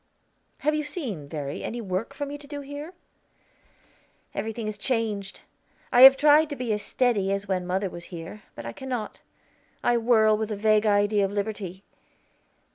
Have you seen, Verry, any work for me to do here?" "Everything is changed. I have tried to be as steady as when mother was here, but I cannot; I whirl with a vague idea of liberty.